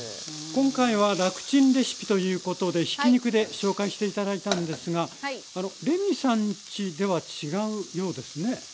今回は楽チンレシピということでひき肉で紹介して頂いたんですがレミさんちでは違うようですね